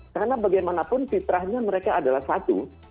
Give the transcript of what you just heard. karena bagaimanapun fitrahnya mereka adalah satu